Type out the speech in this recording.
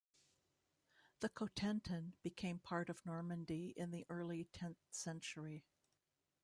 The Cotentin became part of Normandy in the early tenth century.